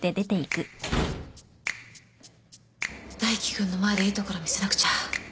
大樹君の前でいいところ見せなくちゃ。